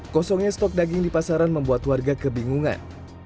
kosongnya stok daging di pasaran membuat warga kebingungan